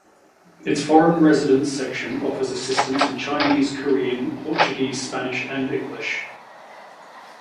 Its foreign residents section offers assistance in Chinese, Korean, Portuguese, Spanish and English.